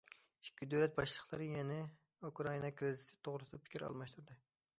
ئىككى دۆلەت باشلىقلىرى يەنە ئۇكرائىنا كىرىزىسى توغرىسىدا پىكىر ئالماشتۇردى.